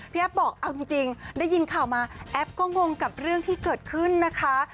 แอฟบอกเอาจริงได้ยินข่าวมาแอปก็งงกับเรื่องที่เกิดขึ้นนะคะ